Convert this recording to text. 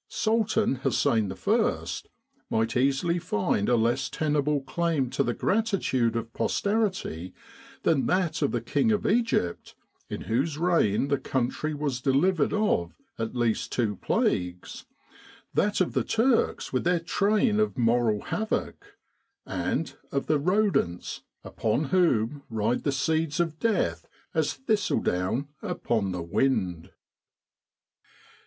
Sultan Hussein I. might easily find a less tenable claim to the gratitude of posterity than that of the King of Egypt in whose reign the country was delivered of at least two plagues that of the Turks with their train of moral havoc, and of the rodents upon whom ride the seeds of Death as thistledown upon the wind.